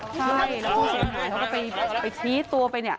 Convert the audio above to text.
ใช่แล้วผู้เสียหายก็ไปทีศตัวไป